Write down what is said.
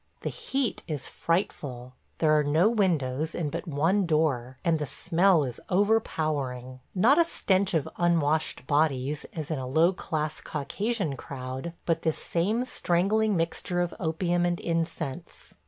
The heat is frightful. ... There are no windows and but one door, and the smell is overpowering. Not a stench of unwashed bodies, as in a low class Caucasian crowd, but this same strangling mixture of opium and incense.